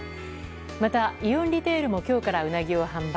また、イオンリテールも今日からウナギを販売。